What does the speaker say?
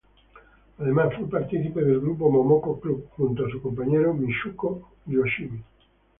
Además fue participe del grupo Momoko Club, junto a su compañera Mitsuko Yoshimi.